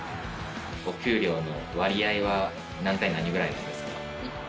お給料の割合は何対何ぐらいですか？